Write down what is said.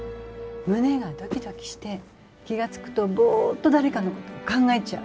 胸がドキドキして気が付くとボーッと誰かのことを考えちゃう。